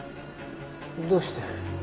どうして？